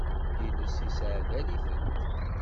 Iles isseɛdal-itent.